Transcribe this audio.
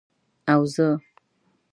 او زه،